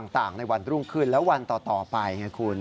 ต่างในวันรุ่งขึ้นแล้ววันต่อไปไงคุณ